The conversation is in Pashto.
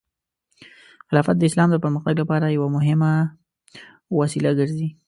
خلافت د اسلام د پرمختګ لپاره یو مهم وسیله ګرځي.